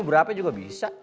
berapa juga bisa